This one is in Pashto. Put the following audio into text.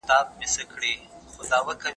ولي زیارکښ کس د لایق کس په پرتله خنډونه ماتوي؟